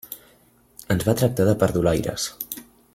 Ens va tractar de perdulaires.